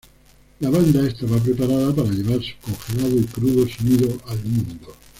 La banda estaba preparada para llevar su congelado y crudo sonido al mundo.